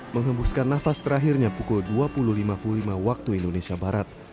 menghembuskan nafas terakhirnya pukul dua puluh lima puluh lima waktu indonesia barat